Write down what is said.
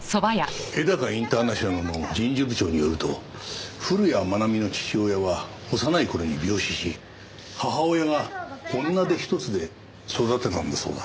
絵高インターナショナルの人事部長によると古谷愛美の父親は幼い頃に病死し母親が女手一つで育てたんだそうだ。